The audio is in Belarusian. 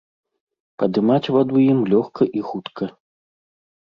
Падымаць ваду ім лёгка і хутка.